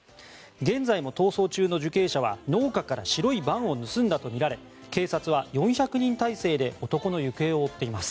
現在も逃走中の受刑者は農家から白いバンを盗んだとみられ警察は４００人態勢で男の行方を追っています。